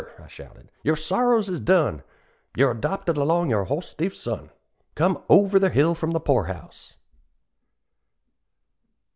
I shouted, "your sorrows is done! You're adopted along o' your horse thief son, Come _over the hill from the poor house!"